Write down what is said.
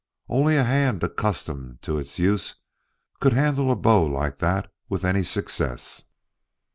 Only a hand accustomed to its use could handle a bow like that with any success."